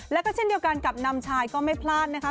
แล้วก็เช่นเดียวกันกับนำชายก็ไม่พลาดนะคะ